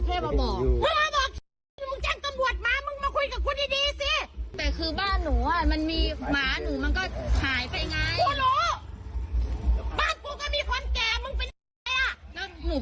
มันก็หายไปไงบ้านกูก็มีคนแก่มึงเป็นอะไรอ่ะแล้วหนู